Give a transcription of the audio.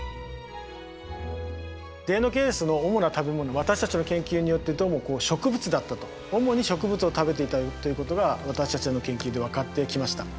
デイノケイルスの主な食べ物私たちの研究によってどうもこう植物だったと主に植物を食べていたということが私たちの研究で分かってきました。